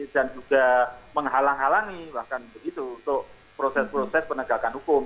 dan juga menghalang halangi bahkan begitu untuk proses proses penegakan hukum